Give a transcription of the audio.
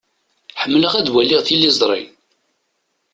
Ḥemmleɣ ad waliɣ tiliẓṛi.